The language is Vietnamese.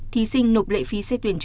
thí sinh nộp lệ phí xét tuyển